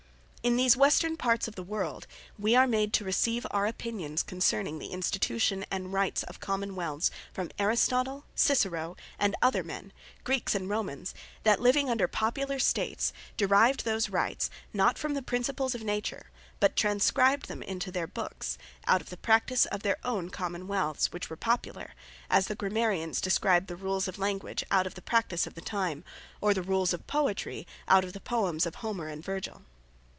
In these westerne parts of the world, we are made to receive our opinions concerning the Institution, and Rights of Common wealths, from Aristotle, Cicero, and other men, Greeks and Romanes, that living under Popular States, derived those Rights, not from the Principles of Nature, but transcribed them into their books, out of the Practice of their own Common wealths, which were Popular; as the Grammarians describe the Rules of Language, out of the Practise of the time; or the Rules of Poetry, out of the Poems of Homer and Virgil.